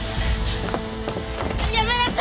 やめなさい！